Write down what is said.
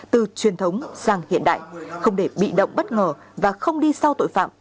từ truyền thống sang hiện đại không để bị động bất ngờ và không đi sau tội phạm